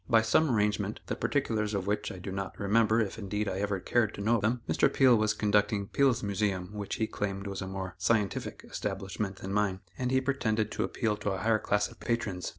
By some arrangement, the particulars of which I do not remember, if, indeed, I ever cared to know them, Mr. Peale was conducting Peale's Museum which he claimed was a more "scientific" establishment than mine, and he pretended to appeal to a higher class of patrons.